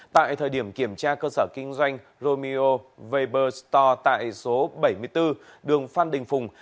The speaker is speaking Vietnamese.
tại thời điểm kiểm tra cơ sở kinh doanh romio veber store tại số bảy mươi bốn đường phan đình phùng